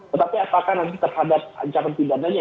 tetapi apakah terhadap ancaman pindahannya